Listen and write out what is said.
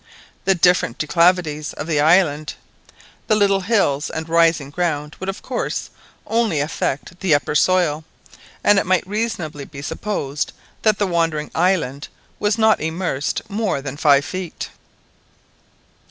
The different declivities of the island, the little hills and rising ground, would of course only affect the upper soil, and it might reasonably be supposed that the wandering island was not immersed more than five feet.